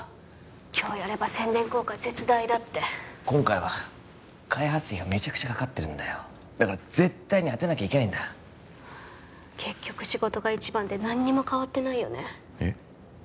今日やれば宣伝効果絶大だって今回は開発費がめちゃくちゃかかってるんだよだから絶対に当てなきゃいけないんだ結局仕事が一番で何にも変わってないよねえっ？